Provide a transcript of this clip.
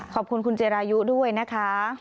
ขอบคุณคุณเจรายุด้วยนะคะ